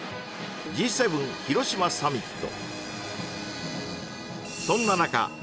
Ｇ７広島サミット